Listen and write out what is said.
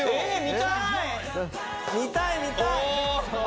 見たい見たいお！